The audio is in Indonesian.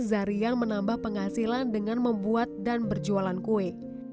zarian menambah penghasilan dengan membuat dan berjualan kue